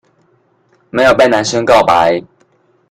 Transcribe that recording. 沒有被男生告白